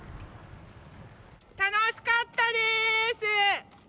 楽しかったでーす！